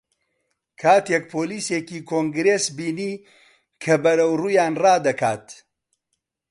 کاتێک پۆلیسێکی کۆنگرێسی بینی کە بەرەو ڕوویان ڕادەکات